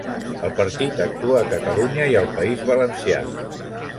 El partit actua a Catalunya i al País Valencià.